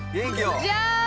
じゃーん！